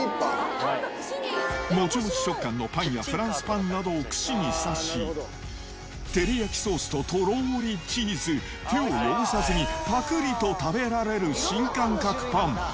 もちもち食感のパンやフランスパンなどを串に刺し、照り焼きソースととろーりチーズ、手を汚さずにぱくりと食べられる新感覚パン。